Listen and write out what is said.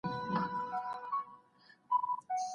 زه به هغه وليدای سم .